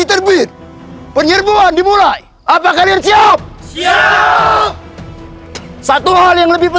dari arah timur istana